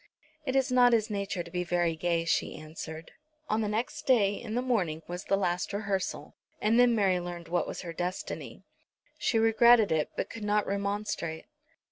"It is not his nature to be very gay," she answered. On the next day, in the morning, was the last rehearsal, and then Mary learned what was her destiny. She regretted it, but could not remonstrate.